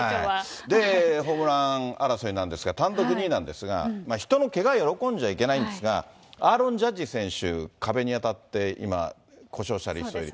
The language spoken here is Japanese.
で、ホームラン争いなんですが、単独２位なんですが、人のけが、喜んじゃいけないんですが、アーロン・ジャッジ選手、壁に当たって今、故障者リスト入り。